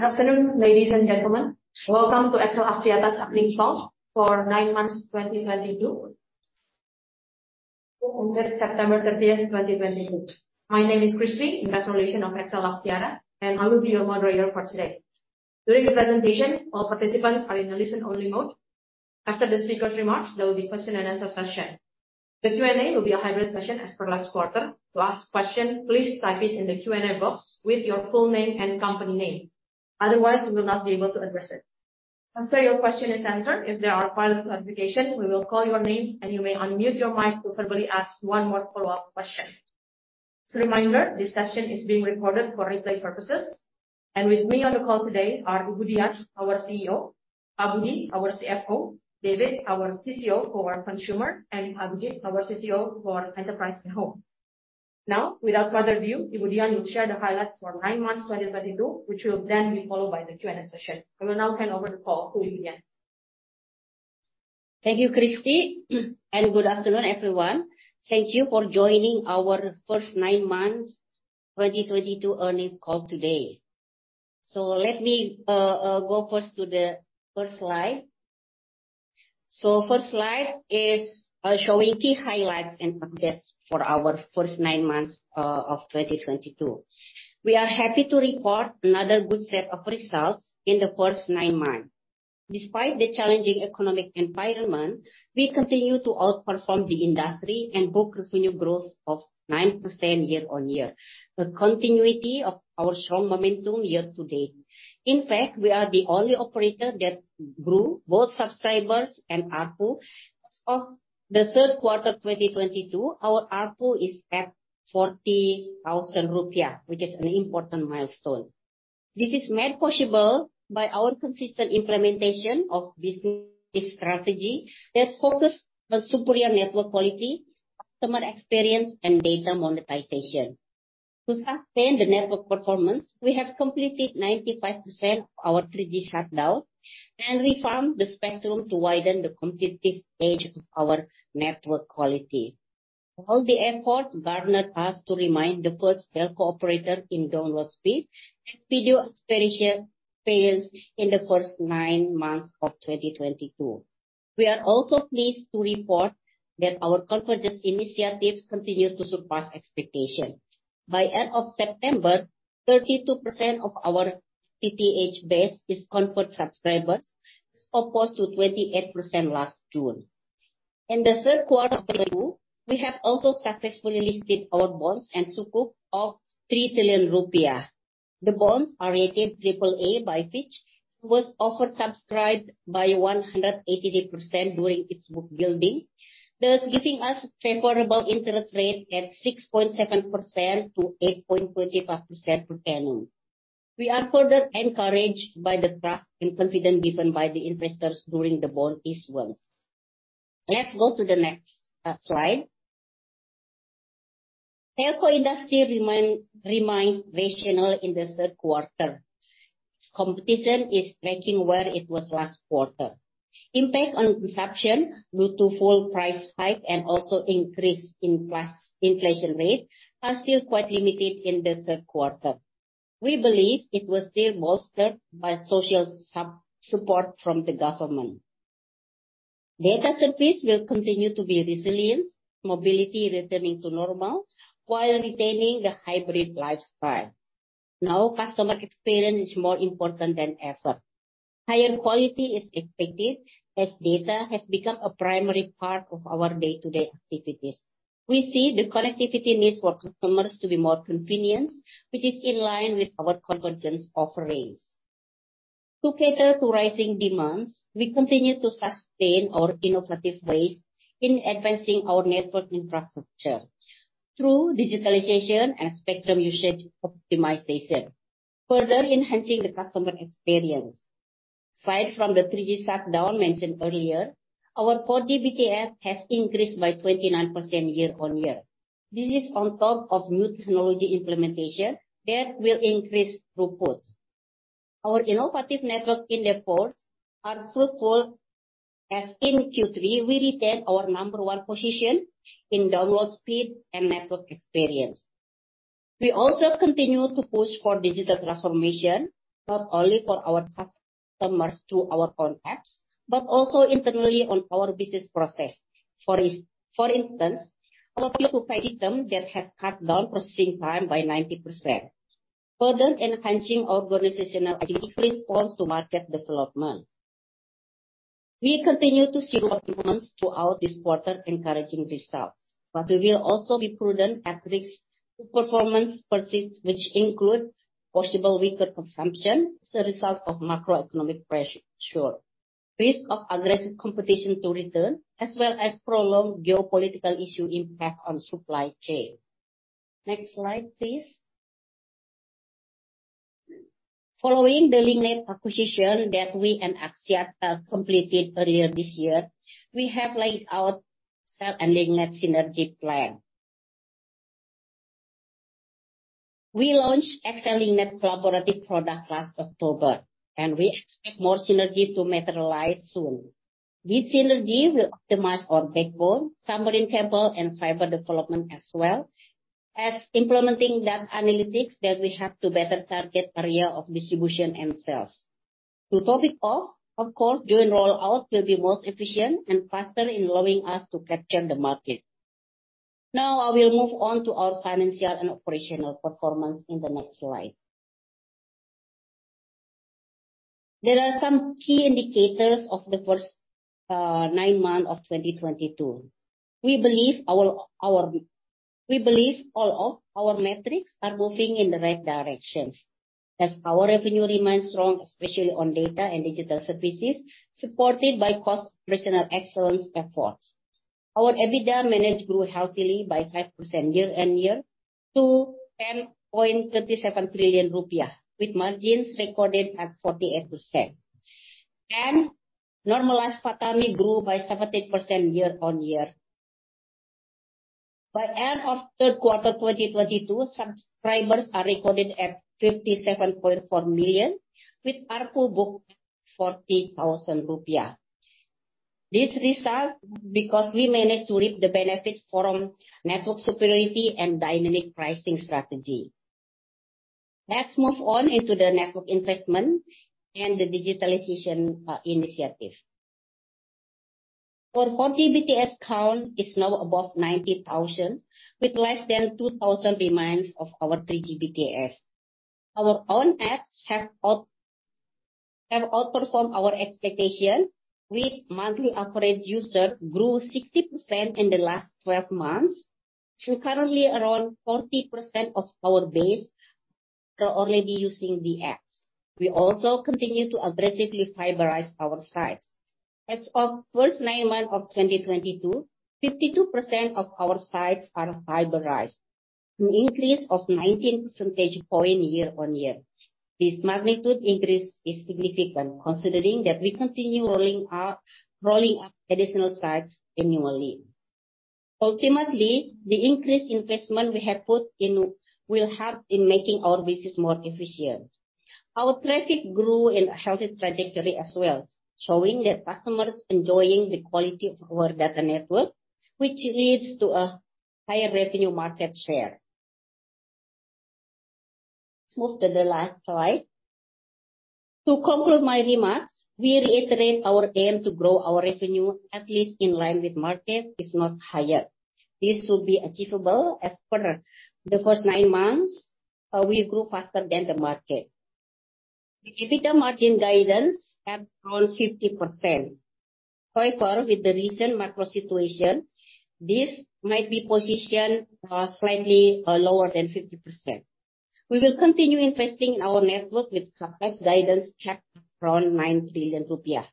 Good afternoon, ladies and gentlemen. Welcome to XL Axiata earnings call for nine months 2022, until September 30, 2022. My name is Christy, Investor Relations of XL Axiata, and I will be your moderator for today. During the presentation, all participants are in a listen-only mode. After the speaker's remarks, there will be question and answer session. The Q&A will be a hybrid session as per last quarter. To ask question, please type it in the Q&A box with your full name and company name. Otherwise, we will not be able to address it. After your question is answered, if there are further clarification, we will call your name and you may unmute your mic to verbally ask one more follow-up question. As a reminder, this session is being recorded for replay purposes. With me on the call today are Dian Siswarini, our CEO, Budi Pramantika, our CFO, David, our CTO for consumer, and Abhijit, our CTO for enterprise and home. Now, without further ado, Dian Siswarini will share the highlights for nine months, 2022, which will then be followed by the Q&A session. I will now hand over the call to Dian Siswarini. Thank you, Christy, and good afternoon, everyone. Thank you for joining our first nine months 2022 earnings call today. Let me go first to the first slide. First slide is showing key highlights and progress for our first nine months of 2022. We are happy to report another good set of results in the first nine months. Despite the challenging economic environment, we continue to outperform the industry and book revenue growth of 9% year-on-year, the continuity of our strong momentum year to date. In fact, we are the only operator that grew both subscribers and ARPU. As of the third quarter 2022, our ARPU is at 40,000 rupiah, which is an important milestone. This is made possible by our consistent implementation of business strategy that focus on superior network quality, customer experience and data monetization. To sustain the network performance, we have completed 95% of our 3G shutdown, and we re-farm the spectrum to widen the competitive edge of our network quality. All the efforts garnered us to remain the first telco operator in download speed and video experience in the first nine months of 2022. We are also pleased to report that our convergence initiatives continue to surpass expectation. By end of September, 32% of our FTTH base is converge subscribers, as opposed to 28% last June. In the third quarter of 2022, we have also successfully listed our bonds and sukuk of 3 trillion rupiah. The bonds are rated AAA by Fitch, was oversubscribed by 183% during its book building, thus giving us favorable interest rate at 6.7%-8.25% per annum. We are further encouraged by the trust and confidence given by the investors during the bond issuance. Let's go to the next slide. Telco industry remained rational in the third quarter. Competition is tracking where it was last quarter. Impact on consumption due to fuel price hike and also increase in price inflation rate are still quite limited in the third quarter. We believe it was still bolstered by social support from the government. Data service will continue to be resilient, mobility returning to normal while retaining the hybrid lifestyle. Now customer experience is more important than ever. Higher quality is expected as data has become a primary part of our day-to-day activities. We see the connectivity needs for customers to be more convenient, which is in line with our convergence offerings. To cater to rising demands, we continue to sustain our innovative ways in advancing our network infrastructure through digitalization and spectrum usage optimization, further enhancing the customer experience. Aside from the 3G shutdown mentioned earlier, our 4G BTS has increased by 29% year on year. This is on top of new technology implementation that will increase throughput. Our innovative network endeavors are fruitful, as in Q3 we retained our number one position in download speed and network experience. We also continue to push for digital transformation, not only for our customers through our own apps, but also internally on our business process. For instance, our B2Pay item that has cut down processing time by 90%, further enhancing organizational agility response to market development. We continue to see developments throughout this quarter encouraging results, but we will also be prudent at risk to performance pursuits, which include possible weaker consumption as a result of macroeconomic pressure, risk of aggressive competition to return, as well as prolonged geopolitical issue impact on supply chain. Next slide, please. Following the Link Net acquisition that we and Axiata completed earlier this year, we have laid out XL and Link Net synergy plan. We launched XL Link Net collaborative product last October, and we expect more synergy to materialize soon. This synergy will optimize our backbone, submarine cable, and fiber development as well as implementing data analytics that we have to better target area of distribution and sales. To top it off, of course, our rollout will be most efficient and faster in allowing us to capture the market. Now I will move on to our financial and operational performance in the next slide. There are some key indicators of the first nine months of 2022. We believe all of our metrics are moving in the right direction, as our revenue remains strong, especially on data and digital services, supported by cost and operational excellence efforts. Our EBITDA margin grew healthily by 5% year-on-year to 10.37 billion rupiah, with margins recorded at 48%. Normalized PATAMI grew by 17% year-on-year. By end of third quarter 2022, subscribers are recorded at 57.4 million, with ARPU booked 40,000 rupiah. This result because we managed to reap the benefits from network superiority and dynamic pricing strategy. Let's move on into the network investment and the digitalization initiative. Our 4G BTS count is now above 90,000, with less than 2,000 remaining of our 3G BTS. Our own apps have outperformed our expectations, with monthly active users grew 60% in the last 12 months, and currently, around 40% of our base are already using the apps. We also continue to aggressively fiberize our sites. As of first nine months of 2022, 52% of our sites are fiberized, an increase of 19 percentage points year-on-year. This magnitude increase is significant considering that we continue rolling out additional sites annually. Ultimately, the increased investment we have put in will help in making our business more efficient. Our traffic grew in a healthy trajectory as well, showing that customers enjoying the quality of our data network, which leads to a higher revenue market share. Let's move to the last slide. To conclude my remarks, we reiterate our aim to grow our revenue at least in line with market, if not higher. This will be achievable as per the first nine months, we grew faster than the market. The EBITDA margin guidance at around 50%. However, with the recent macro situation, this might be positioned slightly lower than 50%. We will continue investing in our network with CapEx guidance capped around 9 billion rupiah.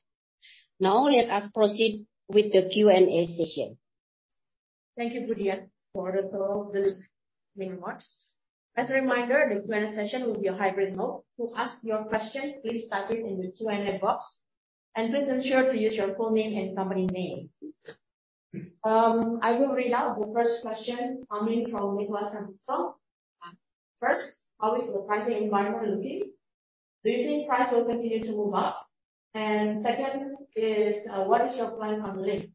Now let us proceed with the Q&A session. Thank you, Dian, for these remarks. As a reminder, the Q&A session will be a hybrid mode. To ask your question, please type it in the Q&A box, and please ensure to use your full name and company name. I will read out the first question coming from Nicholas from Exane. First, how is the pricing environment looking? Do you think price will continue to move up? Second is, what is your plan on Link?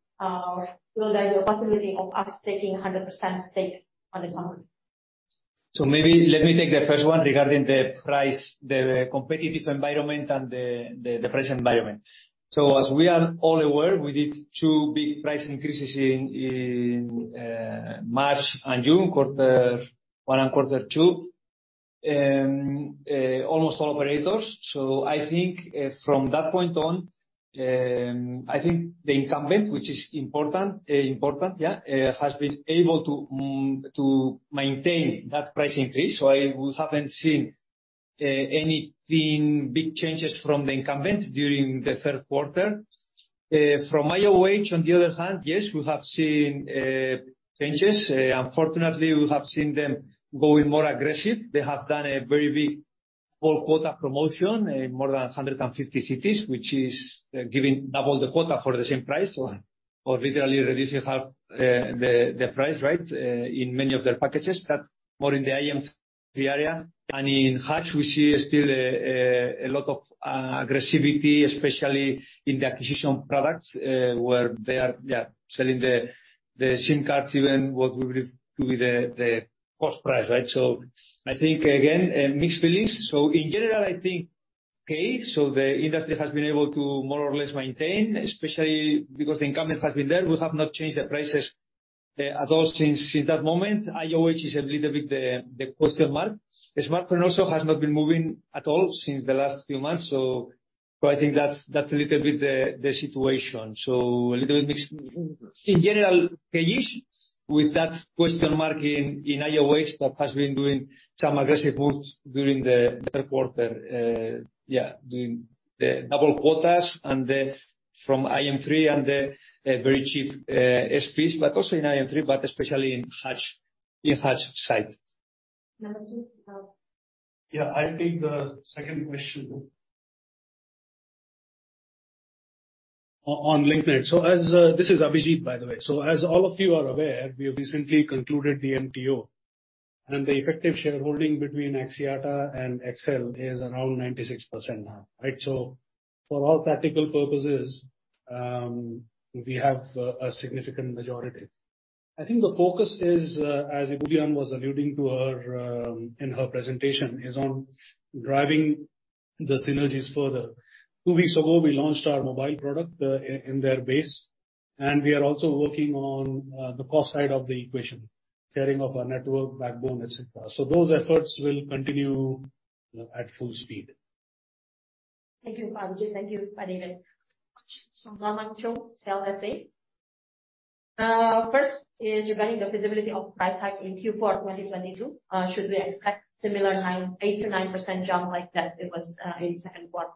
Will there be a possibility of us taking a 100% stake on the company? Maybe let me take the first one regarding the price, the competitive environment and the price environment. As we are all aware, we did two big price increases in March and June, quarter one and quarter two. Almost all operators. I think from that point on, I think the incumbent, which is important, has been able to maintain that price increase. We haven't seen anything big changes from the incumbent during the third quarter. From IOH, on the other hand, yes, we have seen changes. Unfortunately, we have seen them going more aggressive. They have done a very big full quota promotion in more than 150 cities, which is giving double the quota for the same price or literally reducing half the price, right, in many of their packages. That's more in the IM3 area. In Hutch, we see still a lot of aggressivity, especially in the acquisition products, where they are selling the SIM cards even what we believe to be the cost price, right? I think again mixed feelings. In general, I think, okay, the industry has been able to more or less maintain, especially because the incumbent has been there. We have not changed the prices at all since that moment. IOH is a little bit the question mark. Smartfren also has not been moving at all since the last few months. I think that's a little bit the situation. A little bit mixed. In general, okay-ish with that question mark in IOH that has been doing some aggressive moves during the third quarter. Yeah, doing the double quotas and the from IM3 and the very cheap SPs, but also in IM3, but especially in Hutch side. Abhijit? Yeah. I'll take the second question. On Link Net. This is Abhijit, by the way. As all of you are aware, we have recently concluded the MTO. The effective shareholding between Axiata and XL is around 96% now, right? For all practical purposes, we have a significant majority. I think the focus is, as Dian was alluding to earlier in her presentation, is on driving the synergies further. Two weeks ago, we launched our mobile product in their base, and we are also working on the cost side of the equation, carrying of our network backbone, et cetera. Those efforts will continue at full speed. Thank you, Abhijit. Thank you, David. Norman Choong, CLSA. First is regarding the feasibility of price hike in Q4 2022, should we expect similar 8%-9% jump like that it was in second quarter?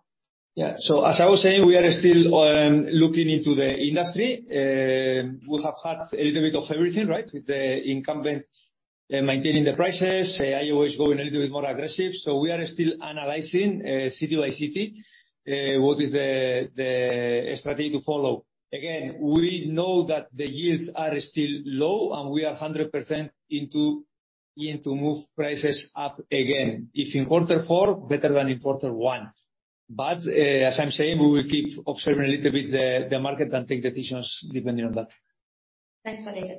Yeah. As I was saying, we are still looking into the industry. We have had a little bit of everything, right? With the incumbent maintaining the prices, IOH going a little bit more aggressive. We are still analyzing city by city what is the strategy to follow. Again, we know that the yields are still low, and we are 100% into move prices up again. If in quarter four, better than in quarter one. As I'm saying, we will keep observing a little bit the market and take decisions depending on that. Thanks, David.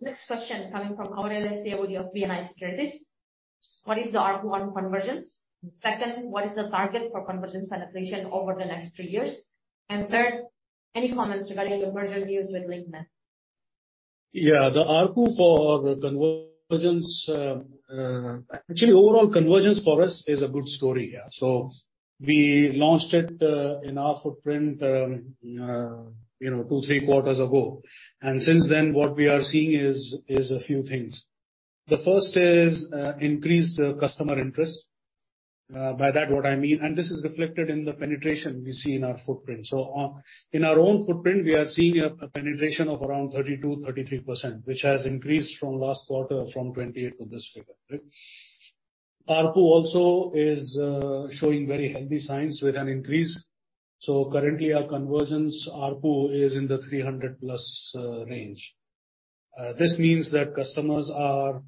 Next question coming from Aurellia Setiabudi of BNI Sekuritas. What is the ARPU on convergence? Second, what is the target for convergence penetration over the next three years? Third, any comments regarding the merger news with Link Net? Yeah. The ARPU for the convergence, actually overall convergence for us is a good story, yeah. We launched it in our footprint, you know, two to three quarters ago. Since then what we are seeing is a few things. The first is increased customer interest. By that what I mean and this is reflected in the penetration we see in our footprint. In our own footprint, we are seeing a penetration of around 32%-33%, which has increased from last quarter from 28% to this figure, right? ARPU also is showing very healthy signs with an increase. Currently our convergence ARPU is in the 300+ range. This means that customers are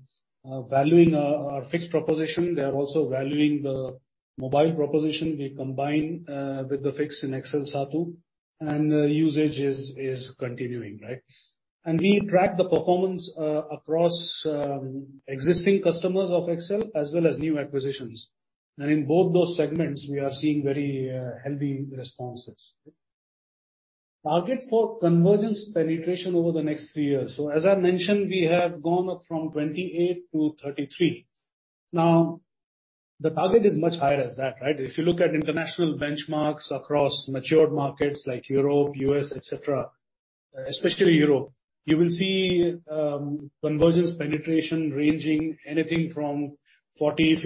valuing our fixed proposition. They are also valuing the mobile proposition we combine with the fixed in XL SATU, and usage is continuing, right? We track the performance across existing customers of XL as well as new acquisitions. In both those segments, we are seeing very healthy responses. Target for convergence penetration over the next three years. As I mentioned, we have gone up from 28 to 33. Now, the target is much higher as that, right? If you look at international benchmarks across matured markets like Europe, U.S., et cetera, especially Europe, you will see convergence penetration ranging anything from 40,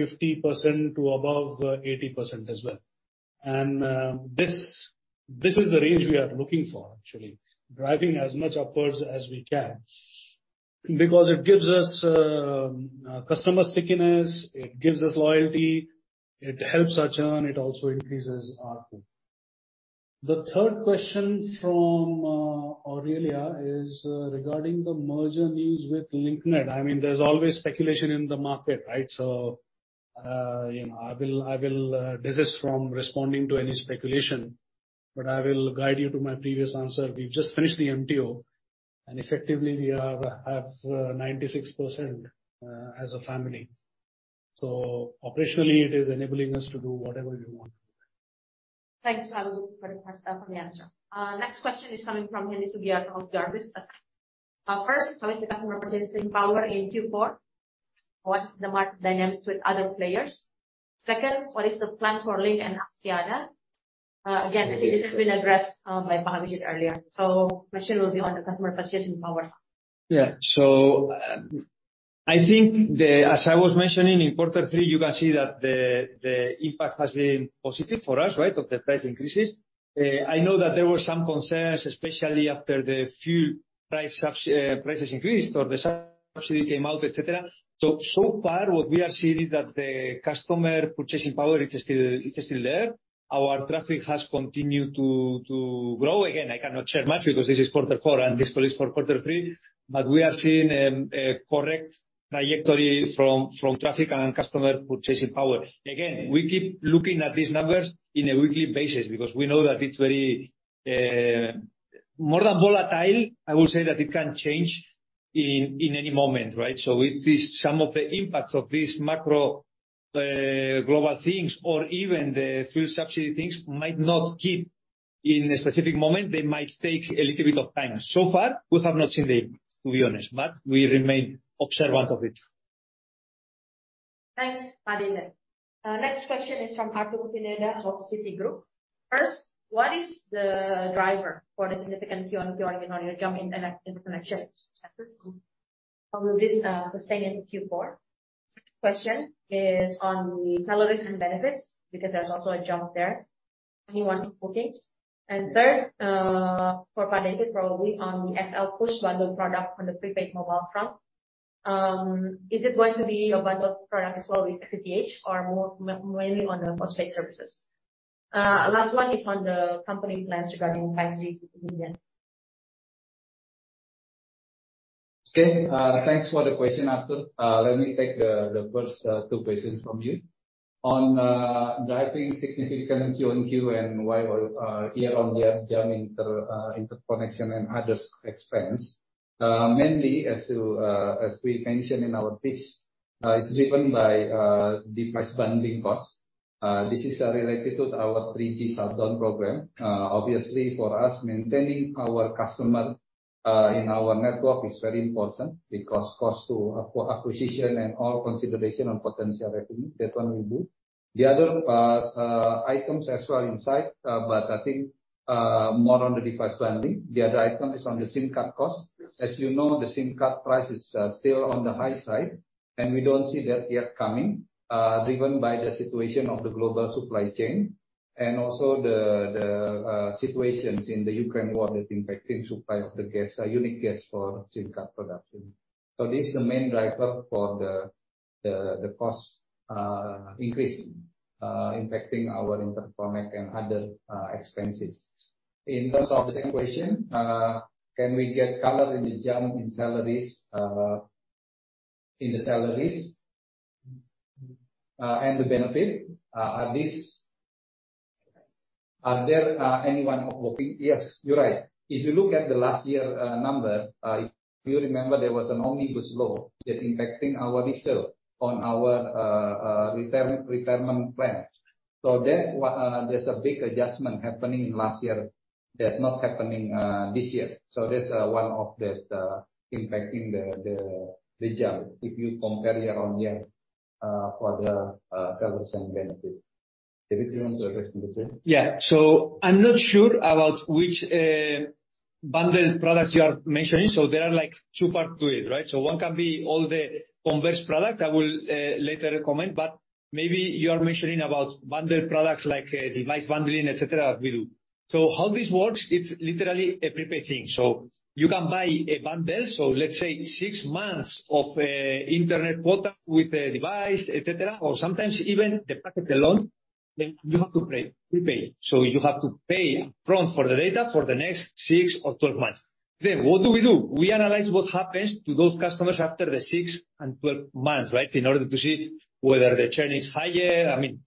50% to above 80% as well. This is the range we are looking for actually, driving as much upwards as we can because it gives us customer stickiness, it gives us loyalty, it helps our churn, it also increases ARPU. The third question from Aurelia is regarding the merger news with Link Net. I mean, there's always speculation in the market, right? You know, I will desist from responding to any speculation, but I will guide you to my previous answer. We've just finished the MTO, and effectively we have 96% as a family. Operationally, it is enabling us to do whatever we want. Thanks, Abhijit, for the answer. Next question is coming from Hennessy Birth of Jarvis Securities. First, how is th e customer purchasing power in Q4? What are the market dynamics with other players? Second, what is the plan for Link and Axiata? Again, I think this has been addressed by Abhijit earlier. Question will be on the customer purchasing power. I think as I was mentioning in quarter three, you can see that the impact has been positive for us, right? Of the price increases. I know that there were some concerns, especially after the fuel prices increased or the subsidy came out, et cetera. So far what we are seeing is that the customer purchasing power is still there. Our traffic has continued to grow. Again, I cannot share much because this is quarter four and this call is for quarter three. We are seeing a correct trajectory from traffic and customer purchasing power. Again, we keep looking at these numbers in a weekly basis because we know that it's very more than volatile. I would say that it can change in any moment, right? If this Some of the impacts of these macro, global things or even the fuel subsidy things might not hit in a specific moment. They might take a little bit of time. So far, we have not seen the impact, to be honest, but we remain observant of it. Thanks, David. Next question is from Arthur Pineda of Citigroup. First, what is the driver for the significant Q-on-Q? I know you're talking internet and connections sector. How will this sustain into Q4? Second question is on the salaries and benefits because there's also a jump there. Any one-off bookings? Third, for David probably on the XL push bundled product on the prepaid mobile front, is it going to be a bundled product as well with STPH or more mainly on the postpaid services? Last one is on the company plans regarding 5G in Indonesia. Okay. Thanks for the question, Arthur. Let me take the first two questions from you. On driving significant Q-on-Q and year-on-year jump in interconnection and access expense, mainly, as we mentioned in our pitch, is driven by device bundling costs. This is related to our 3G shutdown program. Obviously for us, maintaining our customer in our network is very important because cost to acquisition and all consideration on potential revenue, that one we do. The other items as well inside, but I think more on the device bundling. The other item is on the SIM card cost. As you know, the SIM card price is still on the high side, and we don't see that yet coming, driven by the situation of the global supply chain and also the situations in the Ukraine war that impacting supply of the gas, neon gas for SIM card production. This is the main driver for the cost increasing, impacting our internet performance and other expenses. In terms of the same question, can we get color in the jump in salaries and the benefit. Are these. Are there anyone working? Yes, you're right. If you look at the last year number, if you remember there was an Omnibus Law that impacting our reserve on our retirement plan. there's a big adjustment happening in last year that not happening, this year. That's one of the impacting the jump if you compare year-on-year, for the salaries and benefit. David, do you want to address the same? Yeah. I'm not sure about which bundled products you are mentioning. There are like two part to it, right? One can be all the converged product. I will later comment, but maybe you are mentioning about bundled products like device bundling, et cetera, we do. How this works, it's literally a prepaid thing. You can buy a bundle, so let's say six months of internet quota with a device, et cetera, or sometimes even the packet alone, then you have to pay prepaid. You have to pay upfront for the data for the next six or 12 months. Then what do we do? We analyze what happens to those customers after the six and 12 months, right? In order to see whether the churn is higher. I mean,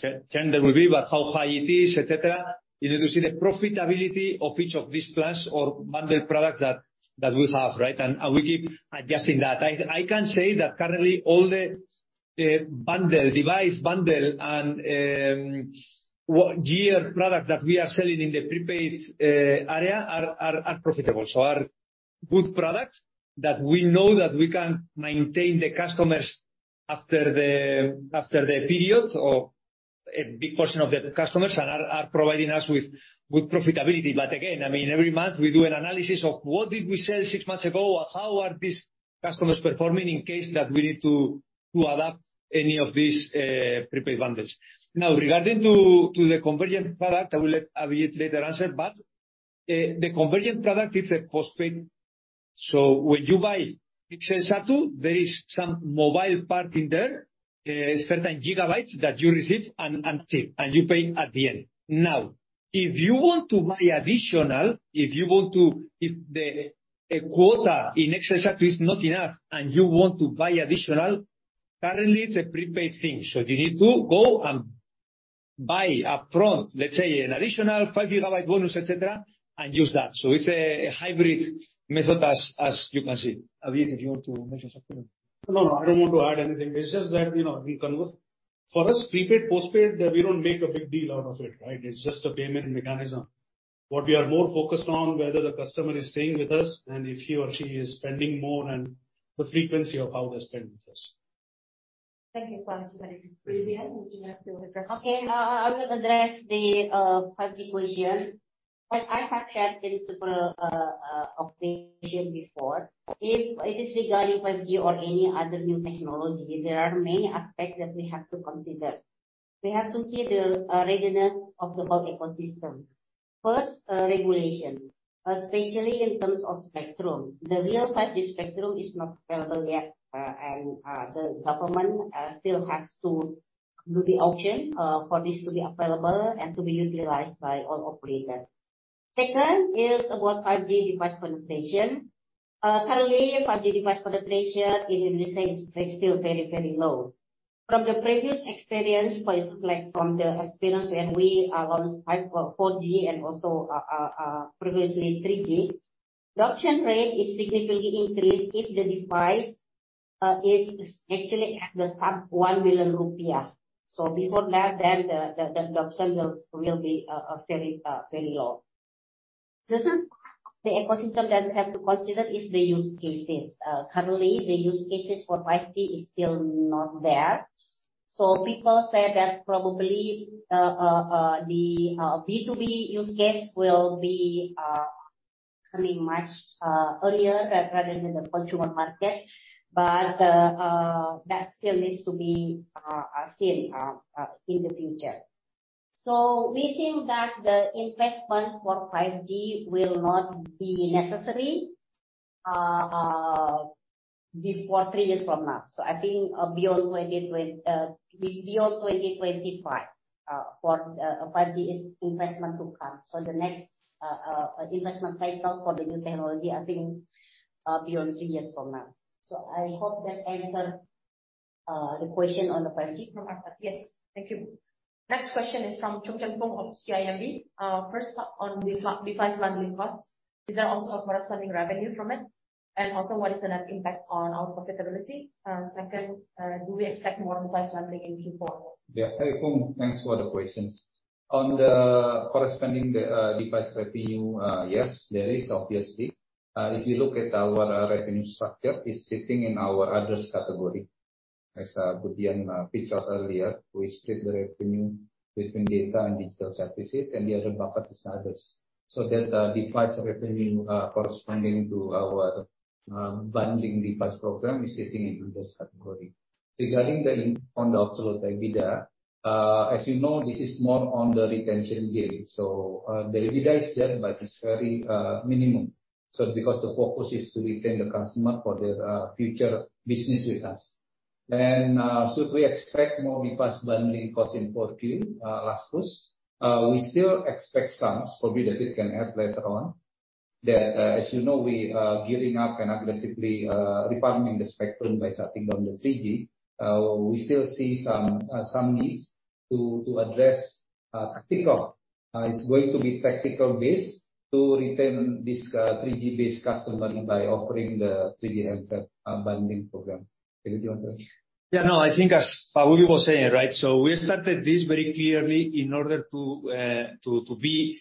churn there will be, but how high it is, et cetera, in order to see the profitability of each of these plans or bundled products that we have, right? We keep adjusting that. I can say that currently all the device bundle and handset product that we are selling in the prepaid area are profitable. They are good products that we know we can maintain the customers after the periods or a big portion of the customers and are providing us with profitability. Again, I mean every month we do an analysis of what did we sell six months ago or how are these customers performing in case that we need to adapt any of these prepaid bundles. Now, regarding to the convergent product, I will let Abhijit later answer. The convergent product is a postpaid. When you buy XL SATU, there is some mobile part in there, certain gigabytes that you receive and take, and you pay at the end. If a quota in XL SATU is not enough and you want to buy additional, currently it's a prepaid thing, so you need to go and buy upfront, let's say an additional five-gigabyte bonus, et cetera, and use that. It's a hybrid method as you can see. Abhijit, if you want to mention something. No, no, I don't want to add anything. It's just that, you know, we convert. For us prepaid, postpaid, we don't make a big deal out of it, right? It's just a payment mechanism. What we are more focused on whether the customer is staying with us and if he or she is spending more, and the frequency of how they spend with us. Thank you. Okay. I will address the 5G question. Like I have shared in several occasion before, if it is regarding 5G or any other new technology, there are many aspects that we have to consider. We have to see the readiness of the whole ecosystem. First, regulation, especially in terms of spectrum. The real 5G spectrum is not available yet, and the government still has to do the auction for this to be available and to be utilized by all operators. Second is about 5G device penetration. Currently, 5G device penetration in Indonesia is still very, very low. From the previous experience, for instance, like from the experience when we launched 4G and also previously 3G, the adoption rate is significantly increased if the device is actually at the sub 1 million rupiah. Before that then the adoption will be very low. The third ecosystem that we have to consider is the use cases. Currently the use cases for 5G is still not there. People say that probably the B2B use case will be coming much earlier rather than the consumer market. That still needs to be seen in the future. We think that the investment for 5G will not be necessary. Before three years from now. I think beyond 2020, beyond 2025, for 5G's investment to come. The next investment cycle for the new technology, I think, beyond three years from now. I hope that answer the question on the 5G. Yes. Thank you. Next question is from Foong Choong Chen of CIMB. First up on the device bundling cost. Is there also a corresponding revenue from it? And also, what is the net impact on our profitability? Second, do we expect more device bundling in Q4? Hi, Foong. Thanks for the questions. On the customer device revenue, yes, there is obviously. If you look at our revenue structure, it's sitting in our others category. As Dian and Abhijit talked earlier, we split the revenue between data and digital services and the other bucket is others. That device revenue corresponding to our bundling device program is sitting in this category. Regarding the impact on the absolute EBITDA, as you know, this is more on the retention game. The EBITDA is there, but it's very minimum. Because the focus is to retain the customer for the future business with us. Should we expect more device bundling cost in 4Q, Rasmus? We still expect some, probably David can add later on, that, as you know, we are gearing up and aggressively refarming the spectrum by shutting down the 3G. We still see some needs to address tactical. It's going to be tactical based to retain this 3G-based customer by offering the 3G handset bundling program. David, you want to add? Yeah, no, I think as Budi was saying, right, so we started this very clearly in order to be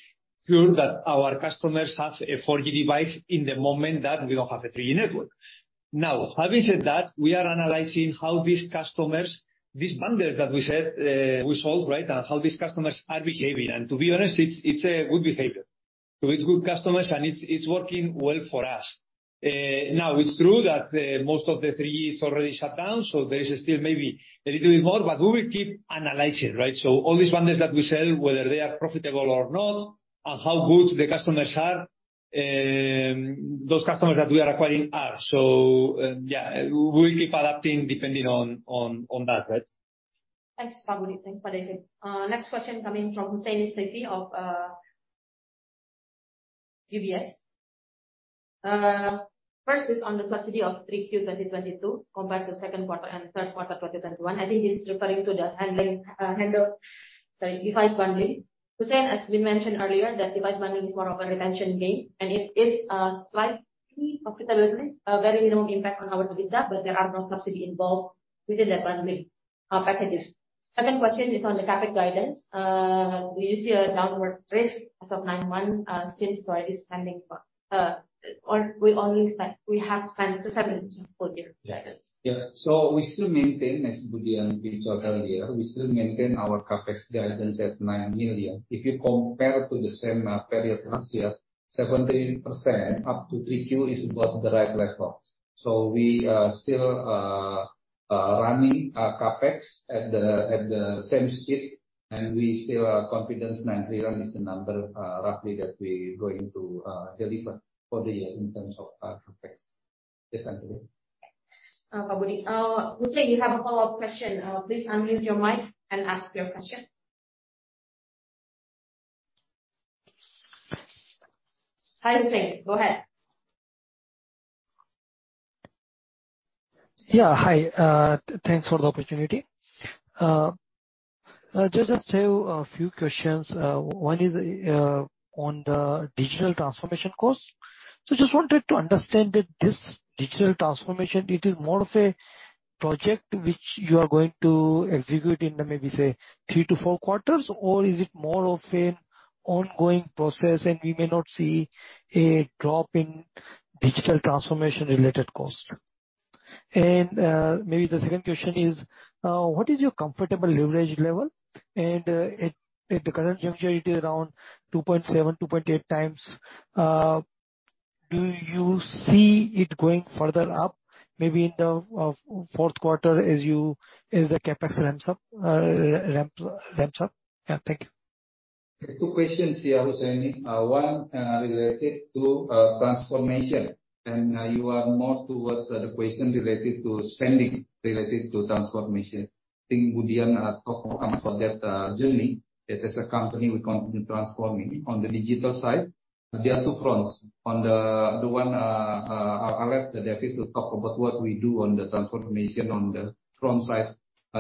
sure that our customers have a 4G device in the moment that we don't have a 3G network. Now, having said that, we are analyzing how these customers, these bundles that we said, we sold, right, how these customers are behaving. To be honest, it's a good behavior. It's good customers and it's working well for us. Now, it's true that most of the 3G is already shut down, so there is still maybe a little bit more. We will keep analyzing, right? So all these bundles that we sell, whether they are profitable or not, and how good the customers are, those customers that we are acquiring are. Yeah, we'll keep adapting depending on that, right? Thanks, Budi. Thanks, David. Next question coming from Hussaini Saifee of UBS. First is on the subsidy of 3Q 2022 compared to second quarter and third quarter 2021. I think he's referring to device bundling. Hussaini Saifee, as we mentioned earlier, that device bundling is more of a retention game, and it is slightly profitable. A very minimal impact on our EBITDA, but there are no subsidy involved within that bundling packages. Second question is on the CapEx guidance. Do you see a downward drift as of nine months, since already spending, or we have spent 70 for the year guidance. Yeah. We still maintain, as Dian and Abhijit talked earlier, we still maintain our CapEx guidance at 9 million. If you compare to the same period last year, 70% up to 3Q is about the right level. We are still running our CapEx at the same speed, and we still are confident 9 million is the number, roughly, that we're going to deliver for the year in terms of our CapEx. Yes, Hussain. Budi. Hussain, you have a follow-up question. Please unmute your mic and ask your question. Hi, Hussain. Go ahead. Yeah. Hi. Thanks for the opportunity. Just have a few questions. One is on the digital transformation costs. So just wanted to understand that this digital transformation, it is more of a project which you are going to execute in the maybe, say, three to four quarters? Or is it more of an ongoing process and we may not see a drop in digital transformation-related costs? Maybe the second question is, what is your comfortable leverage level? At the current juncture, it is around 2.7x-2.8x. Do you see it going further up maybe in the fourth quarter as the CapEx ramps up? Yeah. Thank you. Two questions here, Hussain. One related to transformation, and you are more towards the question related to spending related to transformation. I think Dian will answer that journey that as a company we continue transforming. On the digital side, there are two fronts. On the one, I'll let David to talk about what we do on the transformation on the front side,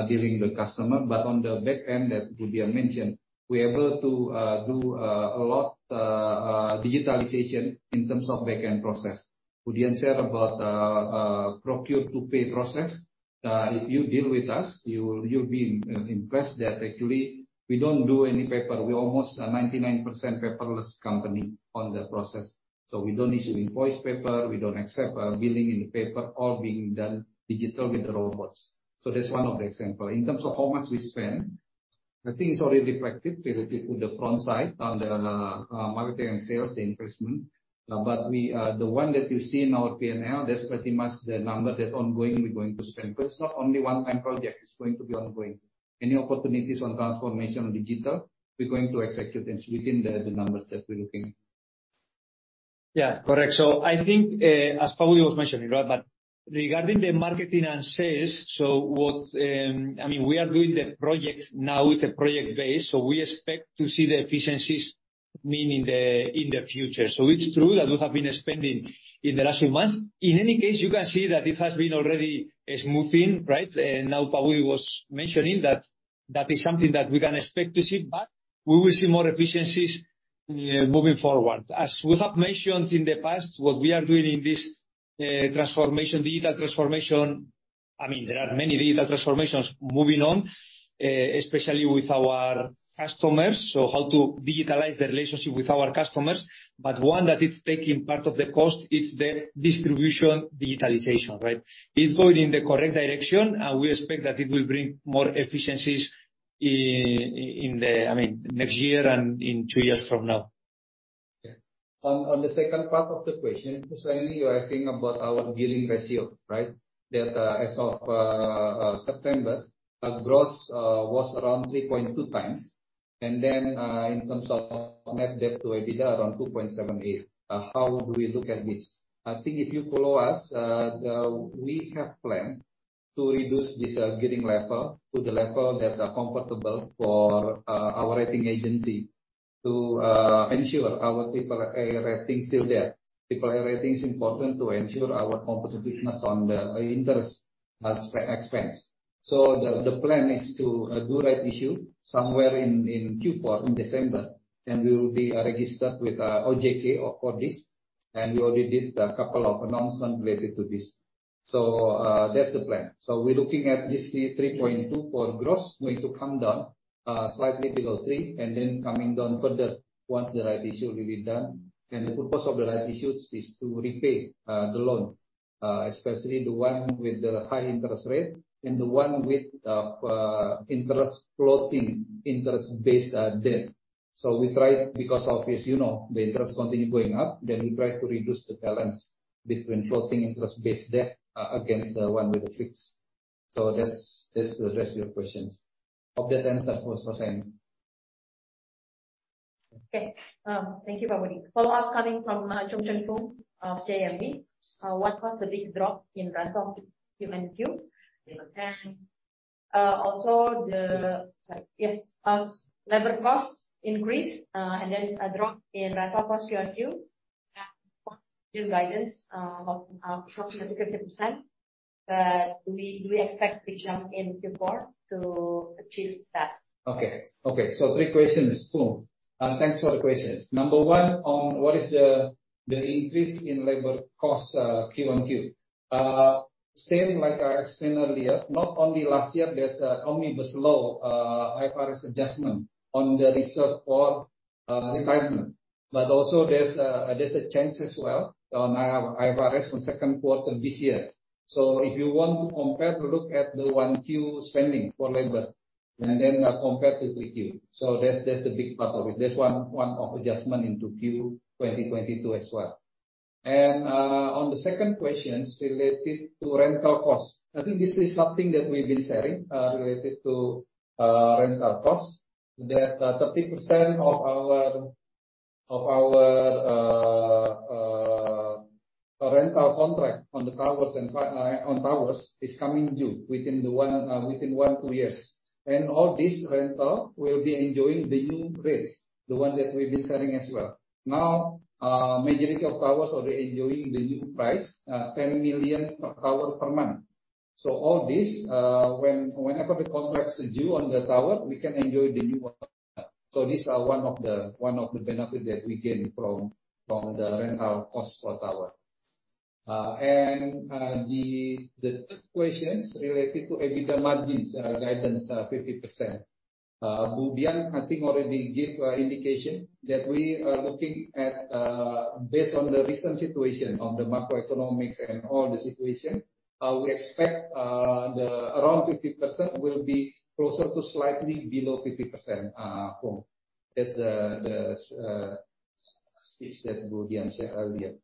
dealing with the customer. On the back end that Dian mentioned, we're able to do a lot of digitalization in terms of back-end process. Dian has said about Procure-to-Pay process. If you deal with us, you will, you'll be impressed that actually we don't do any paper. We're almost a 99% paperless company on the process. We don't issue invoice paper. We don't accept billing in paper. All being done digital with the robots. That's one of the example. In terms of how much we spend, I think it's already reflected related to the front side on the marketing and sales investment. We, the one that you see in our P&L, that's pretty much the number that ongoing we're going to spend. Because it's not only one-time project, it's going to be ongoing. Any opportunities on transformation on digital, we're going to execute within the numbers that we're looking. Yeah, correct. I think, as Budi was mentioning, right, but regarding the marketing and sales, I mean, we are doing the project now with the project base, so we expect to see the efficiencies mainly in the future. It's true that we have been spending in the last few months. In any case, you can see that it has already been moving, right? Now Budi was mentioning that that is something that we can expect to see back. We will see more efficiencies, moving forward. As we have mentioned in the past, what we are doing in this transformation, digital transformation, I mean, there are many digital transformations moving on, especially with our customers. How to digitalize the relationship with our customers. But one that is taking part of the cost is the distribution digitalization, right? It's going in the correct direction, and we expect that it will bring more efficiencies, I mean, next year and in two years from now. Yeah. On the second part of the question, Hussain, you are asking about our gearing ratio, right? That, as of September, our gross was around 3.2x. In terms of net debt to EBITDA, around 2.78. How do we look at this? I think if you follow us, we have planned to reduce this gearing level to the level that are comfortable for our rating agency to ensure our triple A rating still there. Triple A rating is important to ensure our competitiveness on the interest expense. The plan is to do rights issue somewhere in Q4, in December, and we will be registered with OJK for this, and we already did a couple of announcement related to this. That's the plan. We're looking at this 3.2% for gross going to come down, slightly below 3%, and then coming down further once the rights issue will be done. The purpose of the rights issues is to repay the loan, especially the one with the high interest rate and the one with interest floating, interest-based debt. We try, because as you know, the interest continue going up, then we try to reduce the balance between floating interest-based debt against the one with the fixed. That's to address your questions. Hope that answers those, Hussaini. Okay. Thank you, Budi. Follow-up coming from Foong Choong Chen of CGS-CIMB. What was the big drop in rental Q on Q? Also, as labor costs increased, and then a drop in rental cost Q on Q guidance from 50%, do we expect to jump in Q4 to achieve that? Three questions, Foong. Thanks for the questions. Number one, on what is the increase in labor cost, Q-on-Q. Same like I explained earlier, not only last year there's an Omnibus Law, IFRS adjustment on the reserve for retirement. But also there's a change as well on our IFRS on second quarter this year. If you want to compare, look at the 1Q spending for labor and then compare with 3Q. That's the big part of it. That's one of adjustment into Q 2022 as well. On the second question related to rental costs, I think this is something that we've been sharing related to rental costs, that 30% of our rental contract on the towers is coming due within one, two years. All this rental will be enjoying the new rates, the one that we've been sharing as well. Now, majority of towers are enjoying the new price, 10 million per tower per month. All this, whenever the contract's due on the tower, we can enjoy the new one. These are one of the benefit that we gain from the rental costs for tower. The third question related to EBITDA margins guidance, 50%. Dian, I think already gave an indication that we are looking at, based on the recent situation of the macroeconomic and all the situation, we expect around 50% will be closer to slightly below 50%, Foong. That's the speech that Dian said earlier.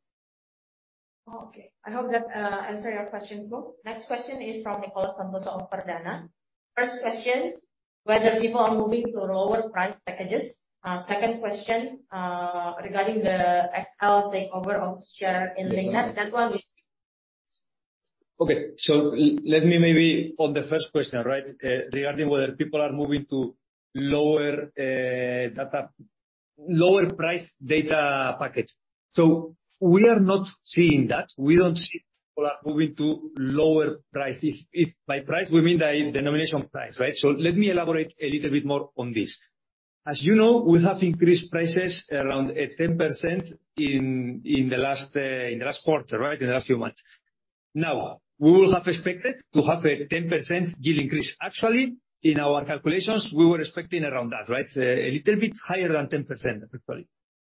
Okay. I hope that answer your question, Foong. Next question is from Nicholas Kusuma from PT Shindmado. First question, whether people are moving to lower price packages. Second question, regarding the XL takeover of share in Link Net. That one with- Okay. Let me maybe on the first question, right? Regarding whether people are moving to lower data, lower price data package. We are not seeing that. We don't see people are moving to lower prices. If by price we mean the denomination price, right? Let me elaborate a little bit more on this. As you know, we have increased prices around 10% in the last quarter, right? In the last few months. Now, we would have expected to have a 10% yield increase. Actually, in our calculations, we were expecting around that, right? A little bit higher than 10% actually.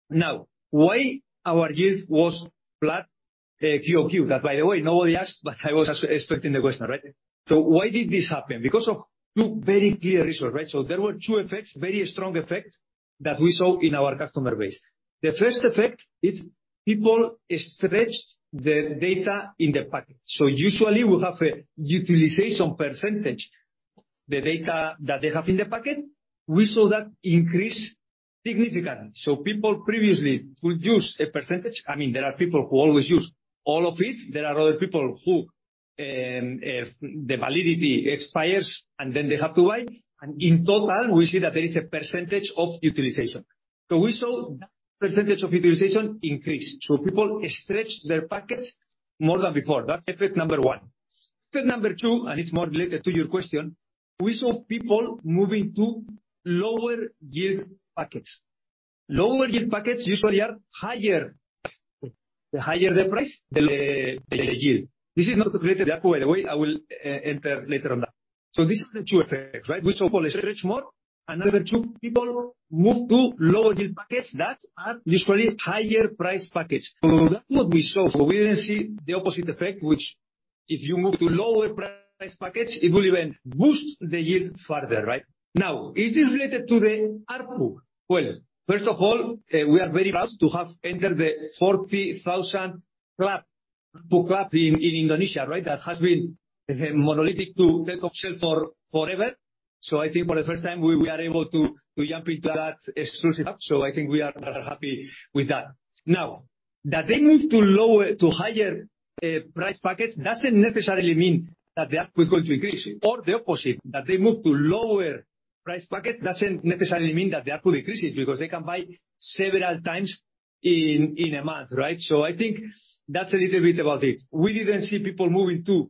Now, why our yield was flat Q-on-Q? That by the way, nobody asked, but I was expecting the question, right? Why did this happen? Because of two very clear reasons, right? There were two effects, very strong effects that we saw in our customer base. The first effect is people stretched the data in the package. Usually we have a utilization percentage. The data that they have in the packet, we saw that increase significantly. People previously could use a percentage. I mean, there are people who always use all of it. There are other people who, if the validity expires, and then they have to wait. In total, we see that there is a percentage of utilization. We saw that percentage of utilization increase, so people stretch their packets more than before. That's effect number one. Effect number two, and it's more related to your question, we saw people moving to lower yield packets. Lower yield packets usually are higher. Higher the price than the yield. This is not related to ARPU by the way. I will enter later on that. These are the two effects, right? We saw people stretch more. Another two, people move to lower yield packets that are usually higher price packets. That's what we saw. We didn't see the opposite effect, which, if you move to lower price packets, it will even boost the yield further, right? Now, is this related to the ARPU? Well, first of all, we are very proud to have entered the 40,000 club, ARPU club in Indonesia, right? That has been monopoly to Telkomsel for forever. I think for the first time we are able to jump into that exclusive club. I think we are happy with that. Now, that they move to lower to higher price packets doesn't necessarily mean that the ARPU is going to increase. The opposite, that they move to lower price packets doesn't necessarily mean that the ARPU decreases, because they can buy several times in a month, right? I think that's a little bit about it. We didn't see people moving to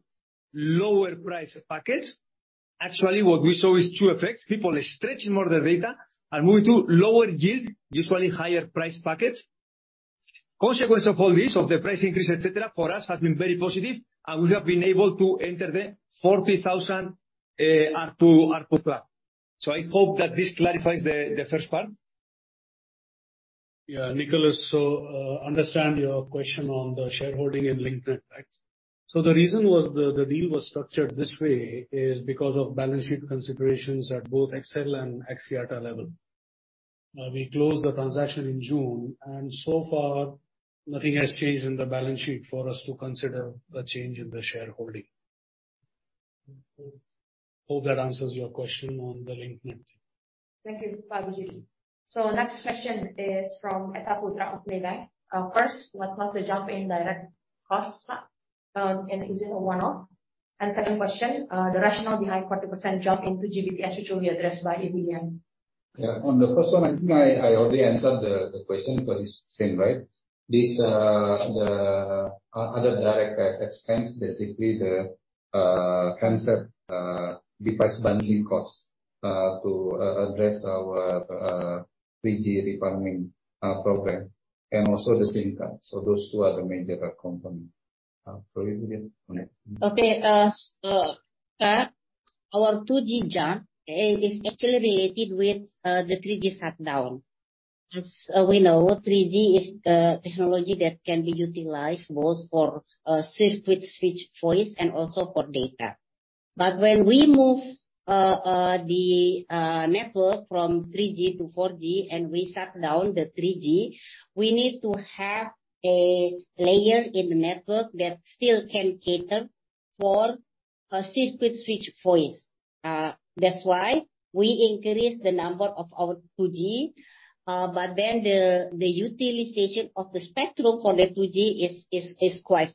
lower price packets. Actually, what we saw is two effects. People are stretching more their data and moving to lower yield, usually higher priced packets. Consequence of all this, of the price increase, et cetera, for us, has been very positive, and we have been able to enter the 40,000 ARPU club. I hope that this clarifies the first part. Yeah, Niko. Understand your question on the shareholding and Link Net, right? The reason was the deal was structured this way is because of balance sheet considerations at both XL and Axiata level. We closed the transaction in June, and so far nothing has changed in the balance sheet for us to consider a change in the shareholding. Hope that answers your question on the Link Net. Thank you, Abhijit. Next question is from Etta Rusdiana Putra of Maybank. First, what was the jump in direct costs, and is it a one-off? Second question, the rationale behind 40% jump in 2G BTS, which will be addressed by Dian Siswarini. Yeah. On the first one, I think I already answered the question, because it's the same, right? This, the other direct expense, basically the concept of device bundling costs to address our 3G refarming program and also the SIM card. Those two are the major components. Dian Siswarini, go ahead. Okay, our 2G jump is actually related with the 3G shutdown. As we know, 3G is the technology that can be utilized both for circuit switched voice and also for data. When we move the network from 3G to 4G and we shut down the 3G, we need to have a layer in the network that still can cater for a circuit switched voice. That's why we increased the number of our 2G. The utilization of the spectrum for the 2G is quite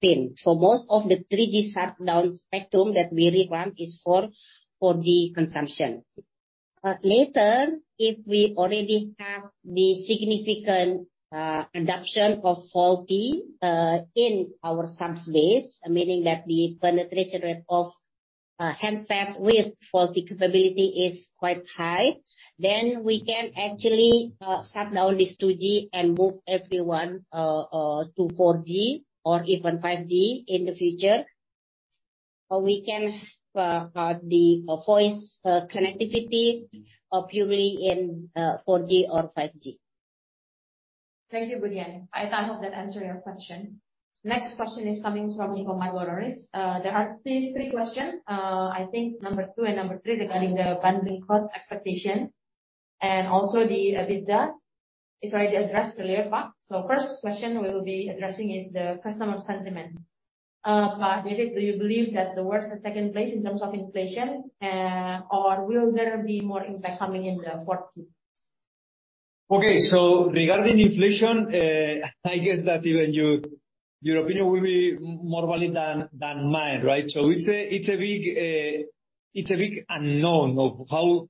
thin. Most of the 3G shutdown spectrum that we refarm is for 4G consumption. Later, if we already have the significant adoption of 4G in our subs base, meaning that the penetration rate of handset with 4G capability is quite high, then we can actually shut down this 2G and move everyone to 4G or even 5G in the future. Or we can the voice connectivity purely in 4G or 5G. Thank you, Dian. Etta, I hope that answered your question. Next question is coming from Niko Margaronis. There are three questions. I think numbers two and three regarding the bundling cost expectation and also the EBITDA. It's already addressed earlier, Pak. First question we'll be addressing is the customer sentiment. David, do you believe that the worst is taking place in terms of inflation, or will there be more impact coming in the fourth quarter? Okay. Regarding inflation, I guess that even your opinion will be more valid than mine, right? It's a big unknown of how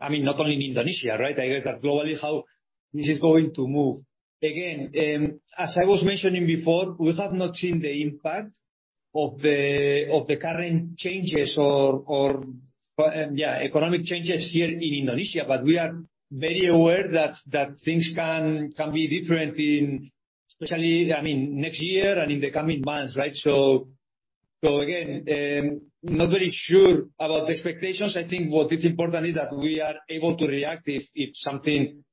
I mean, not only in Indonesia, right? I get that globally how this is going to move. Again, as I was mentioning before, we have not seen the impact of the current changes or economic changes here in Indonesia. We are very aware that things can be different especially, I mean, next year and in the coming months, right? Again, not very sure about the expectations. I think what is important is that we are able to react if something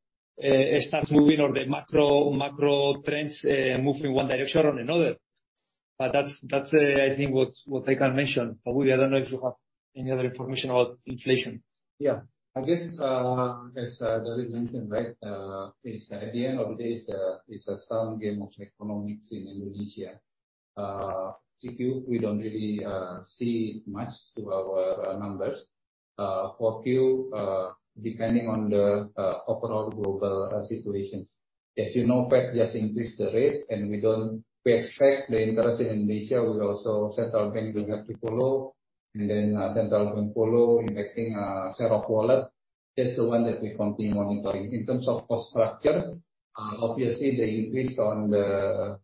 starts moving or the macro trends move in one direction or another. That's, I think, what I can mention. Budi, I don't know if you have any other information about inflation. Yeah. I guess, as David mentioned, right, it is at the end of the day, it's a zero-sum game of economics in Indonesia. Q2, we don't really see much to our numbers. For Q3, depending on the overall global situations. As you know, Fed just increased the rate, and we don't. We expect the interest in Indonesia will also, central bank will have to follow, and then, central bank follow, impacting spending wallet. That's the one that we continue monitoring. In terms of cost structure, obviously the increase on the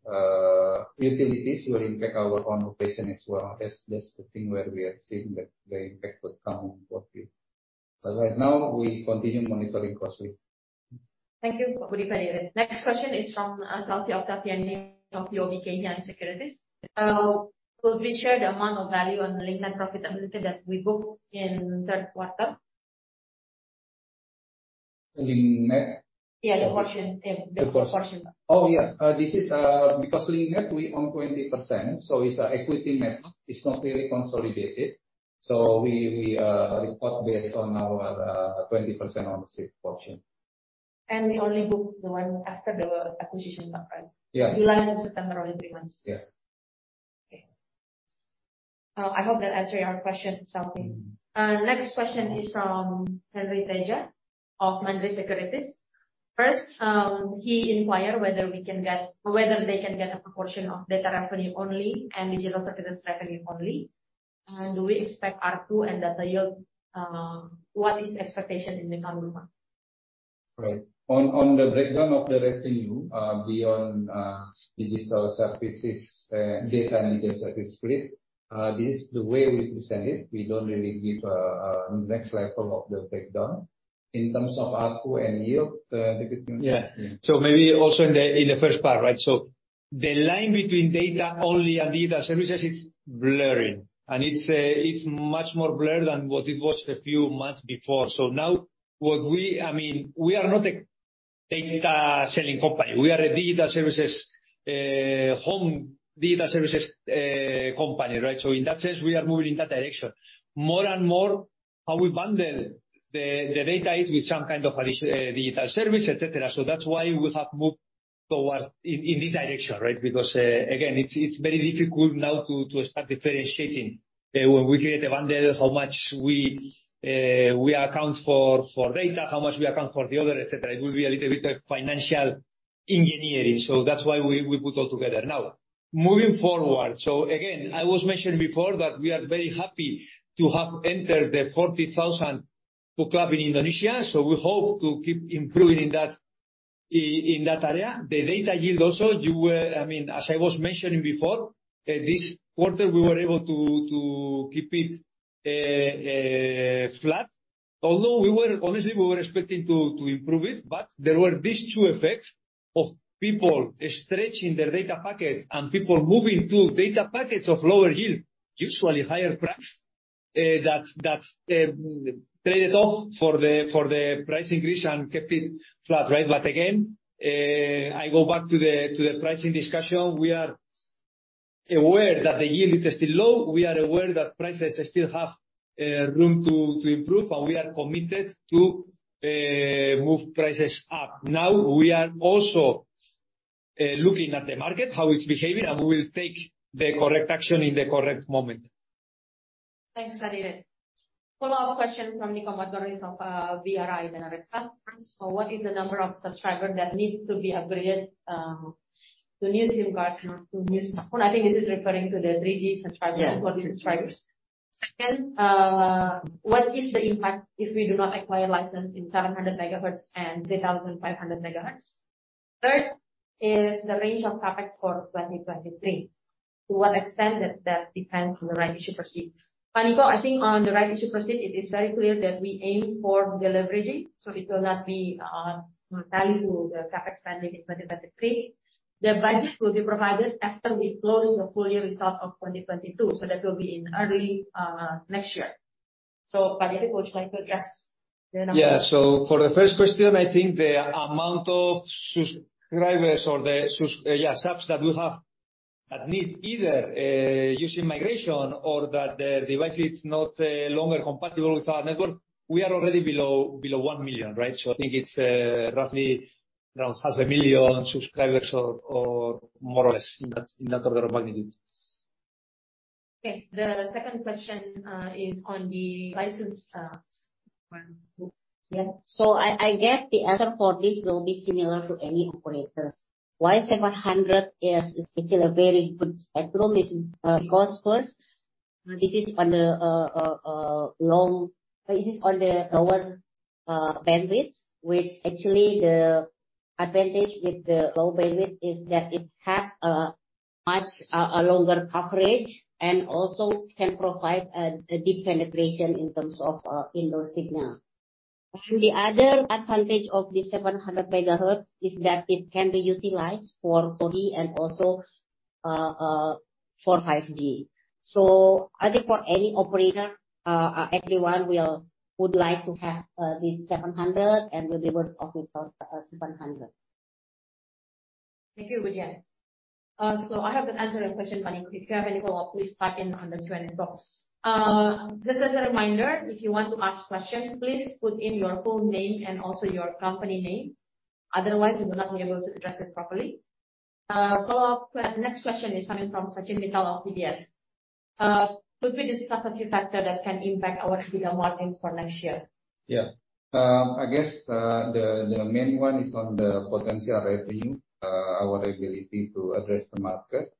utilities will impact our OpEx as well. That's the thing where we are seeing that the impact would come for Q3. Right now we continue monitoring closely. Thank you, Budi. Next question is from Selvi Oktaviani from KB Valbury Sekuritas. Could we share the amount of value on the Link Net profitability that we booked in third quarter? LinkNet? Yeah, the portion. The portion. The portion. Oh, yeah. This is because Link Net we own 20%, so it's an equity method. It's not really consolidated. We report based on our 20% ownership portion. We only book the one after the acquisition part, right? Yeah. July to September, only three months. Yes. Okay. I hope that answer your question, Selvi. Next question is from Henry Tedja of Mandiri Sekuritas. First, he inquire whether they can get a proportion of data revenue only and digital services revenue only, and do we expect ARPU and data yield, what is expectation in the coming month? Right. On the breakdown of the revenue, beyond digital services, data and digital service split, this, the way we present it, we don't really give a next level of the breakdown. In terms of ARPU and yield, maybe- Yeah. Maybe also in the, in the first part, right? The line between data only and digital services is blurring, and it's much more blurred than what it was a few months before. Now I mean, we are not a data selling company. We are a digital services, home digital services, company, right? In that sense, we are moving in that direction. More and more how we bundle the data is with some kind of digital service, et cetera. That's why we have moved towards in this direction, right? Because again, it's very difficult now to start differentiating when we create a bundle, how much we account for data, how much we account for the other, et cetera. It will be a little bit of financial engineering. That's why we put all together. Now, moving forward, again, I was mentioning before that we are very happy to have entered the 40,000 club in Indonesia. We hope to keep improving in that area. The data yield also, I mean, as I was mentioning before, this quarter we were able to keep it flat. Although we were, honestly, we were expecting to improve it, but there were these two effects of people stretching their data packet and people moving to data packets of lower yield, usually higher price, that traded off for the price increase and kept it flat, right? Again, I go back to the pricing discussion. We are aware that the yield is still low. We are aware that prices still have room to improve, and we are committed to move prices up. Now, we are also looking at the market, how it's behaving, and we will take the correct action in the correct moment. Thanks,. Follow-up question from Niko Margaronis of BRI Danareksa Sekuritas. What is the number of subscriber that needs to be upgraded to new SIM cards or to new phone? I think this is referring to the 3G subscribers. Yeah. 4G subscribers. Second, what is the impact if we do not acquire license in 700 MHz and 3,500 MHz? Third is the range of CapEx for 2023. To what extent that depends on the right to proceed. Niko, I think on the right to proceed, it is very clear that we aim for deleveraging, so it will not be tailoring to the CapEx spending in 2023. The budget will be provided after we close the full year results of 2022. That will be in early next year. Niko, would you like to address the number? For the first question, I think the amount of subscribers or the subs, yeah, subs that we have that need either using migration or that their device is no longer compatible with our network, we are already below one million, right? I think it's roughly around 500,000 subscribers or more or less in that order of magnitude. Okay. The second question is on the license one. Yeah. I guess the answer for this will be similar to any operators. Why 700 MHz is still a very good spectrum is. This is on the lower bandwidth, which actually the advantage with the low bandwidth is that it has a much longer coverage and also can provide a deep penetration in terms of indoor signal. Actually, the other advantage of the 700 MHz is that it can be utilized for 4G and also for 5G. I think for any operator, everyone would like to have the 700 MHz and will be worse off without 700 MHz. Thank you, Dian. So I have another question, Niko Margaronis. If you have any follow-up, please type in on the Q&A box. Just as a reminder, if you want to ask questions, please put in your full name and also your company name. Otherwise, we will not be able to address it properly. Next question is coming from Sachin Mittal of DBS. Could we discuss a few factors that can impact our EBITDA margins for next year? I guess the main one is on the potential revenue. Our ability to address the market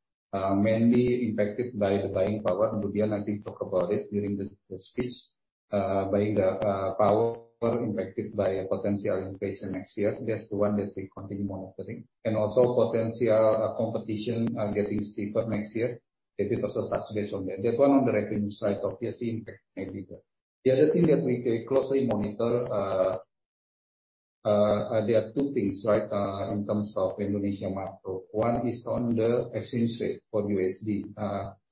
mainly impacted by the buying power. Dian actually talk about it during the speech. Buying power impacted by potential inflation next year. That's the one that we continue monitoring. Also potential competition getting stiffer next year. David also touched based on that. That one on the revenue side, obviously impact EBITDA. The other thing that we closely monitor, there are two things, right, in terms of Indonesia macro. One is on the exchange rate for USD,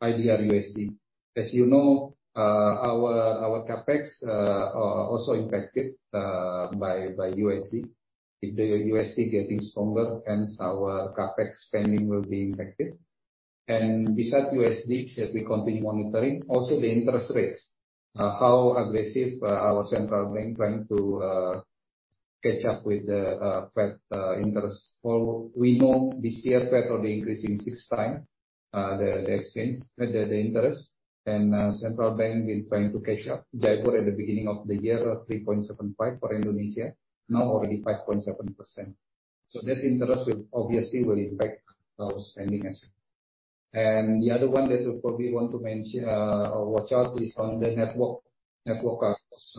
IDR/USD. As you know, our CapEx also impacted by USD. If the USD getting stronger, hence our CapEx spending will be impacted. Beside USD that we continue monitoring, also the interest rates. How aggressive our central bank trying to catch up with the Fed interest. We know this year Fed will be increasing 6x the interest. Central bank is trying to catch up. January at the beginning of the year was 3.75 for Indonesia. Now already 5.7%. That interest will obviously impact our spending next year. The other one that we probably want to mention or watch out is on the network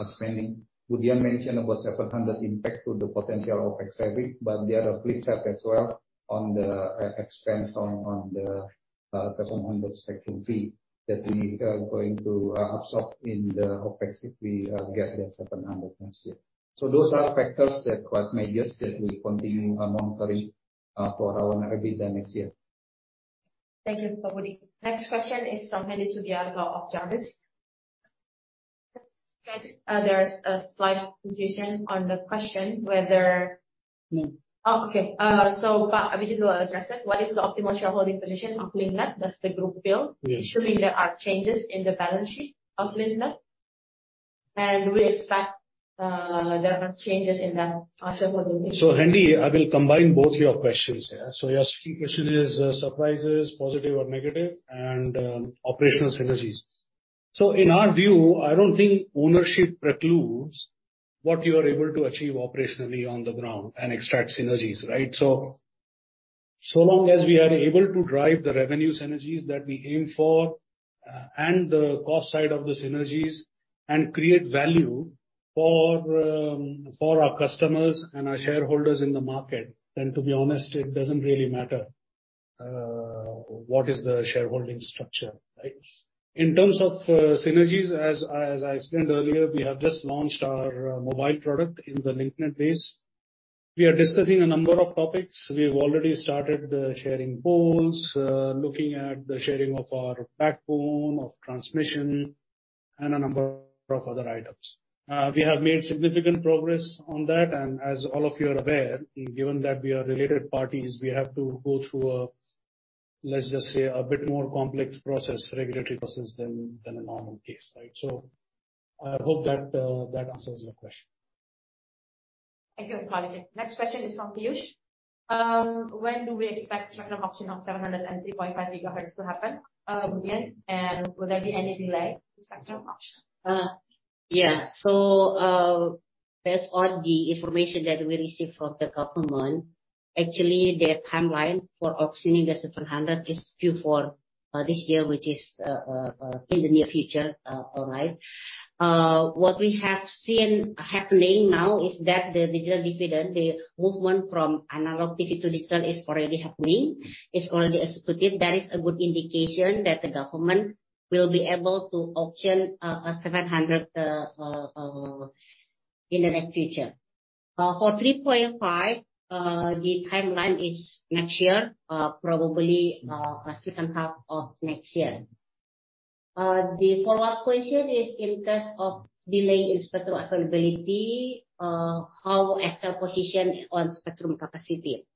spending. Budi mentioned about 700 MHz impact to the potential OpEx saving, but there are flip side as well on the expense on the 700 MHz spectrum fee that we are going to absorb in the OpEx if we get that 700 MHz next year. Those are factors that quite major that we continue monitoring for our EBITDA next year. Thank you, Budi Pramantika. Next question is from Hadi Soegiarto of Jarvis. There's a slight confusion on the question whether- Mm. Abhijit will address it. What is the optimal shareholding position of Link Net, that's the group build? Yes. There are changes in the balance sheet of Link Net, and we expect there are changes in the shareholding position. Hadi, I will combine both your questions here. Your key question is, surprises, positive or negative, and operational synergies. In our view, I don't think ownership precludes what you are able to achieve operationally on the ground and extract synergies, right? So long as we are able to drive the revenue synergies that we aim for, and the cost side of the synergies, and create value for our customers and our shareholders in the market, then to be honest, it doesn't really matter, what is the shareholding structure, right? In terms of synergies, as I explained earlier, we have just launched our mobile product in the Link Net base. We are discussing a number of topics. We have already started sharing poles, looking at the sharing of our backbone of transmission and a number of other items. We have made significant progress on that, and as all of you are aware, given that we are related parties, we have to go through a, let's just say, a bit more complex process, regulatory process, than a normal case, right? I hope that answers your question. Thank you, Abhijit. Next question is from Piyush. When do we expect spectrum auction of 700 MHz and 3.5 GHz to happen, again? And will there be any delay to spectrum auction? Based on the information that we received from the government, actually their timeline for auctioning the 700 MHz is due for this year, which is in the near future, all right. What we have seen happening now is that the digital dividend, the movement from analog TV to digital is already happening. It's already executed. That is a good indication that the government will be able to auction a 700 MHz in the near future. For 3.5 GHz, the timeline is next year, probably second half of next year. The follow-up question is in case of delay in spectrum availability, how XL positioned on spectrum capacity.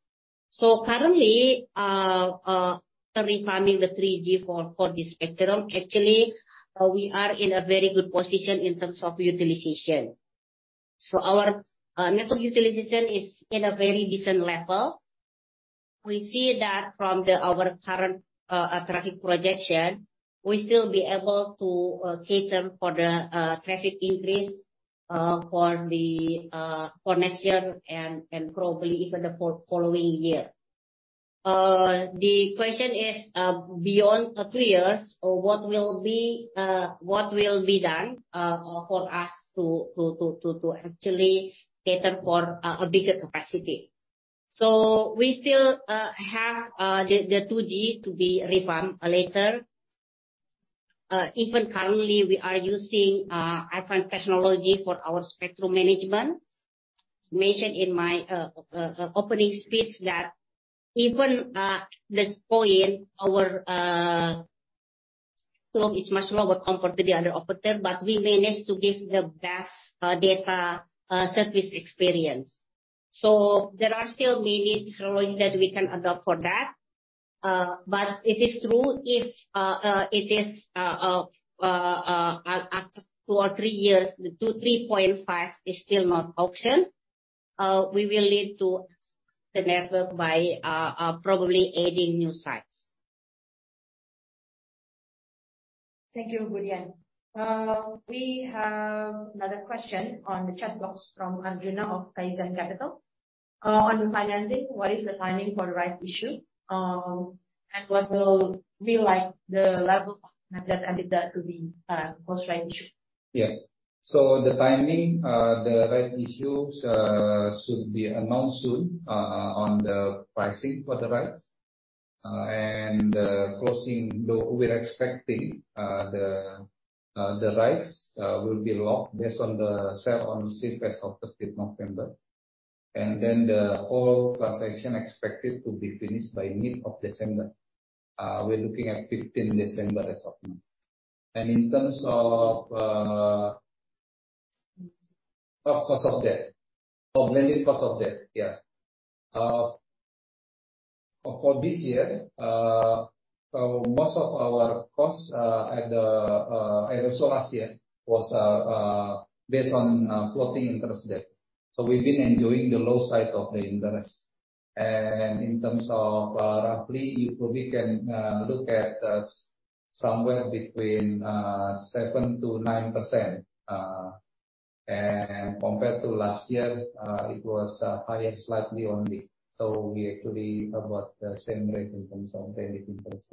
Currently refarming the 3G for the spectrum. Actually, we are in a very good position in terms of utilization. Our network utilization is in a very decent level. We see that from our current traffic projection. We still be able to cater for the traffic increase for next year and probably even the following year. The question is beyond three years what will be done for us to actually cater for a bigger capacity? We still have the 2G to be refarmed later. Even currently we are using advanced technology for our spectrum management. mentioned in my opening speech that even at this point, our load is much lower compared to the other operator, but we managed to give the best data service experience. There are still many technologies that we can adopt for that. It is true if, after two or three years, the 3.5 GHz is still not an option. We will need to expand the network by probably adding new sites. Thank you, Dian. We have another question on the chat box from Arjuna of Taizen Capital. On the financing, what is the timing for the rights issue? What will be like the level of net debt to EBITDA to be post rights issue? Yeah. The timing, the rights issue should be announced soon, on the pricing for the rights. Closing, though we're expecting, the rights will be locked based on the sale on [CFAS] of thirtieth November. The whole transaction expected to be finished by mid of December. We're looking at fifteenth December as of now. In terms of. Oh, cost of debt. Mainly cost of debt. Yeah. For this year, most of our costs, and also last year was, based on floating interest debt. We've been enjoying the low side of the interest. In terms of, roughly, you probably can look at somewhere between 7%-9%. Compared to last year, it was higher slightly only. We actually about the same rate in terms of paying the interest.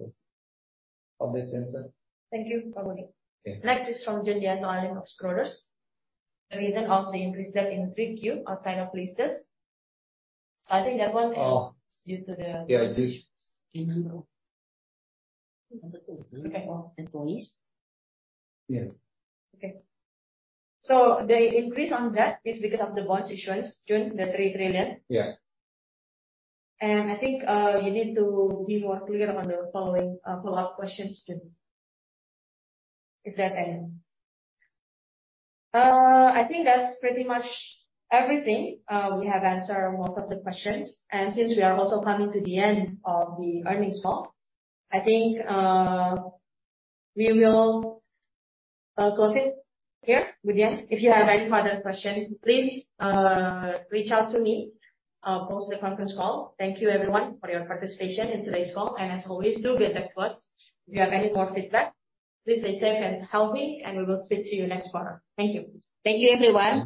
Hope that answers. Thank you, Budi. Okay. Next is from Juliana Lim of Schroders. The reason of the increase debt in 3Q outside of leases. I think that one is- Oh. due to the Yeah, this. Okay. The increase in debt is because of the bond issuance of the 3 trillion. Yeah. I think you need to be more clear on the follow-up questions to If there's any. I think that's pretty much everything. We have answered most of the questions. Since we are also coming to the end of the earnings call, I think we will close it here. Budi, if you have any further question, please reach out to me post the conference call. Thank you everyone for your participation in today's call. As always, do get back to us if you have any more feedback. Please stay safe and healthy, and we will speak to you next quarter. Thank you. Thank you, everyone.